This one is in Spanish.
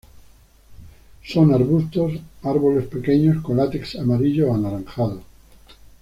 Son arbustos a árboles pequeños, con látex amarillo o anaranjado.